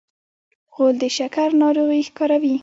غول د شکر ناروغي ښکاروي.